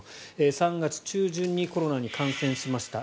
３月中旬にコロナに感染しました。